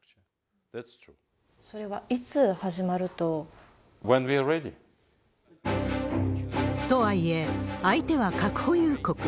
それはいつ始まると？とはいえ、相手は核保有国。